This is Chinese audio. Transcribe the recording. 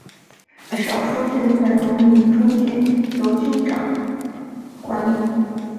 少数郡份如闽中郡由君长管理。